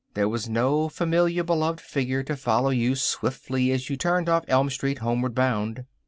There was no familiar, beloved figure to follow you swiftly as you turned off Elm Street, homeward bound.